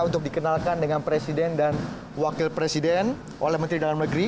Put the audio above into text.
untuk dikenalkan dengan presiden dan wakil presiden oleh menteri dalam negeri